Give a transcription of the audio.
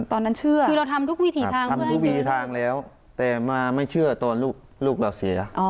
ตอนนั้นเชื่อคือเราทำทุกวิถีทางทำทุกวีทางแล้วแต่มาไม่เชื่อตอนลูกเราเสีย